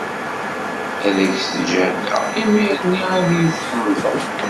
Ad k-sǧehdeɣ, imir-nni ad iyi-tḥemdeḍ.